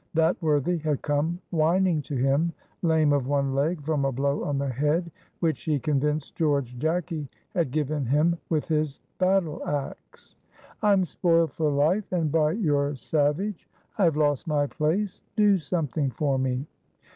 That worthy had come whining to him lame of one leg from a blow on the head, which he convinced George Jacky had given him with his battle ax. "I'm spoiled for life and by your savage. I have lost my place; do something for me."